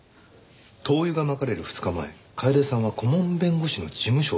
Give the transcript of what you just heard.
灯油が撒かれる２日前楓さんは顧問弁護士の事務所を訪ねていました。